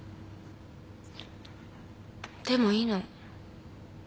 でもいいの。